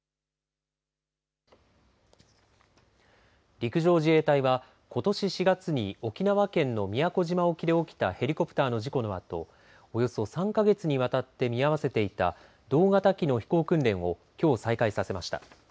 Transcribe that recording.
陸上自衛隊はことし４月に沖縄県の宮古島沖で起きたヘリコプターの事故のあとおよそ３か月にわたって見合わせていた同型機の飛行訓練をきょう再開させました。